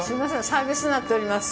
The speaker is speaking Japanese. サービスになっております。